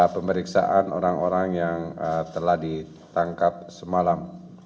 pemeriksaan orang orang yang telah ditangkap semalam